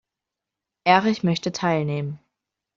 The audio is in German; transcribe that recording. Erich möchte teilnehmen.